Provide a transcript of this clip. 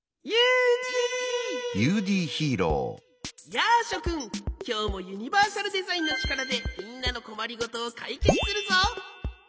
やあしょくんきょうもユニバーサルデザインのちからでみんなのこまりごとをかいけつするぞ。